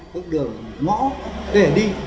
các đường ngõ để đi